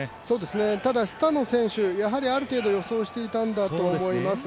ただ、スタノ選手、ある程度予想してたんだと思います。